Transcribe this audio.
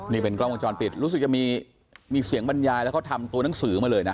นี่เป็นกล้องวงจรปิดรู้สึกจะมีมีเสียงบรรยายแล้วเขาทำตัวหนังสือมาเลยนะ